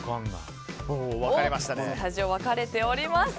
スタジオ分かれております。